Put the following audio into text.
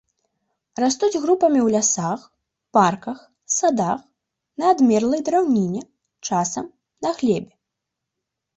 Растуць групамі ў лясах, парках, садах на адмерлай драўніне, часам на глебе.